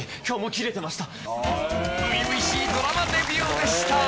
今日もキレてました」